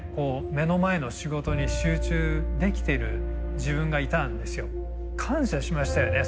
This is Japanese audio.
目の前の仕事に集中できてる自分がいたんですよ。感謝しましたよね